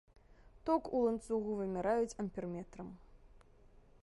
Ток у ланцугу вымяраюць амперметрам.